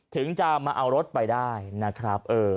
ถึงจะมาเอารถไปได้นะครับ